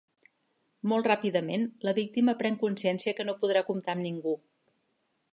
Molt ràpidament, la víctima pren consciència que no podrà comptar amb ningú.